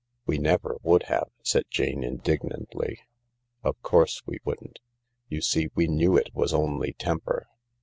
" "We never would have," said Jane indignantly. "Of course we wouldn't. You see, we knew it was only temper